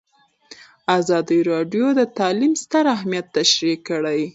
ازادي راډیو د تعلیم ستر اهميت تشریح کړی.